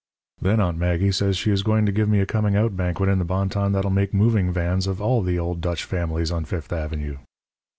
"Then Aunt Maggie says she is going to give me a coming out banquet in the Bonton that'll make moving Vans of all the old Dutch families on Fifth Avenue.